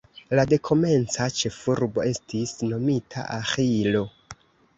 La dekomenca ĉefurbo estis nomita Aĥilo.